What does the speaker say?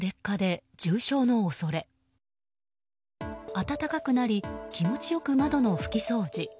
暖かくなり気持ち良く窓の拭き掃除。